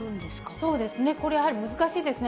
そうですね、これやはり難しいですね。